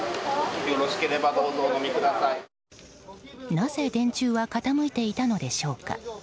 なぜ電柱は傾いていたのでしょうか。